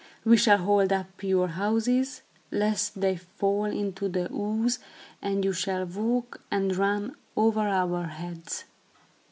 We shall hold up your houses, lest they fall into the ooze and you shall walk and run over our heads.